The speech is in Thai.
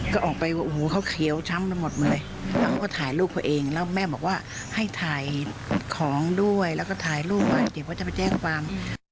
ก็ออกไปโอ้โหเขาเขียวช้ำไปหมดเลยแล้วเขาก็ถ่ายรูปตัวเองแล้วแม่บอกว่าให้ถ่ายของด้วยแล้วก็ถ่ายรูปเก็บไว้จะไปแจ้งความ